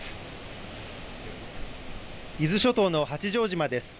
伊豆諸島の八丈島です。